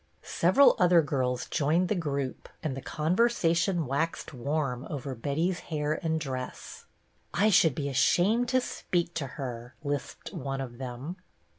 Several other girls joined the group, and the conver sation waxed warm over Betty's hair and dress. " I should be ashamed to speak to her," lisped one of them.